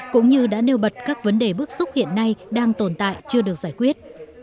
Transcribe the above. cũng như đã nêu bật các vấn đề bước xúc hiện nay đang tồn tại chưa được giải quyết